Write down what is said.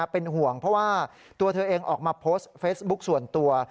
เป็นห่วงเพราะว่าตัวเธอเองออกมาโพสต์เฟซบุ๊คส่วนตัว